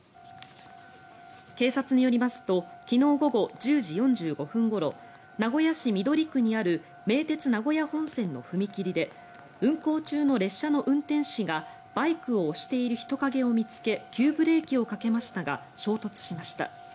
警察によりますと昨日午後１０時４５分ごろ名古屋市緑区にある名鉄名古屋本線の踏切で運行中の列車の運転士がバイクを押している人影を見つけ急ブレーキをかけましたが衝突しました。